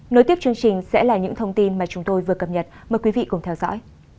nối tiếp chương trình sẽ là những thông tin mà chúng tôi vừa cập nhật mời quý vị cùng theo dõi